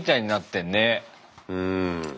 うん。